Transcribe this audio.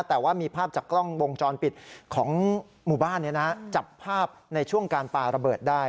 แต่ว่ามีภาพจากกล้องวงจรปิดของหมู่บ้านจับภาพในช่วงการปลาระเบิดได้